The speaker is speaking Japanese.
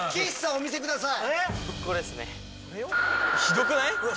お見せください。